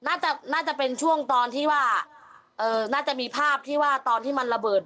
น่าจะน่าจะเป็นช่วงตอนที่ว่าน่าจะมีภาพที่ว่าตอนที่มันระเบิด